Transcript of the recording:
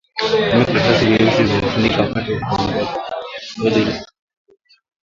tumia karatasi nyeusi kufunika wakati wa kuanika viazi ili usipoteze virutubisho